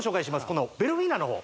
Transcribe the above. このベルフィーナの方